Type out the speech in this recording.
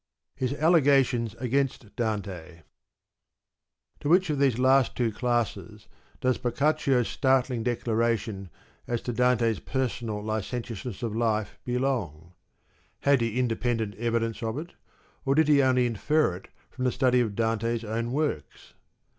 His Allegations against Dante. — To which of these two last classes does Boccaccio's startling dec laration as to Dante's personal licentiousness of life belong ? Had he independent evidence of it, or did he only infer it from the study of Dante's own works